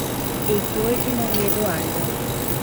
Heitor e Maria Eduarda